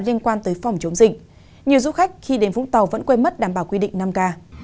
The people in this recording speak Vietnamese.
liên quan tới phòng chống dịch nhiều du khách khi đến vũng tàu vẫn quê mất đảm bảo quy định năm k